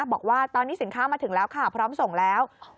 บอกว่าตอนนี้สินค้ามาถึงแล้วค่ะพร้อมส่งแล้ว